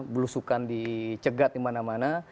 belusukan dicegat di mana mana